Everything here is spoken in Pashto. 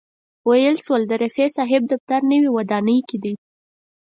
ویل شول د رفیع صاحب دفتر نوې ودانۍ کې دی.